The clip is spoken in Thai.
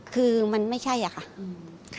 คือมันไม่ใช่อะค่ะ